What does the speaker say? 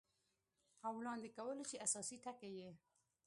او وړاندې کولو چې اساسي ټکي یې